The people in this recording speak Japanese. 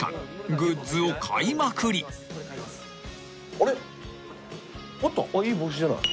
あっいい帽子じゃない。